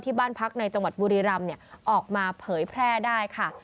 บ้านพักในจังหวัดบุรีรำออกมาเผยแพร่ได้ค่ะ